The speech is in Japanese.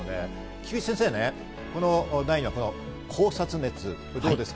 菊地先生ね、第２話、考察熱、どうですか？